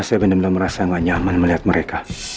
saya benar benar merasa gak nyaman melihat mereka